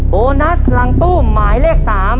โบนัสหลังตู้หมายเลข๓